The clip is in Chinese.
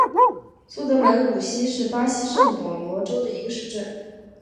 苏德门努西是巴西圣保罗州的一个市镇。